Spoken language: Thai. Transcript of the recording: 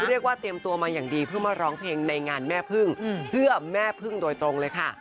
เรียกว่าเตรียมตัวมาอย่างดีเพื่อมาร้องเพลงในงานแม่พึ่งเพื่อแม่พึ่งโดยตรงเลยค่ะ